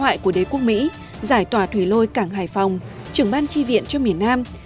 ngoại của đế quốc mỹ giải tòa thủy lôi cảng hải phòng trưởng ban tri viện cho miền nam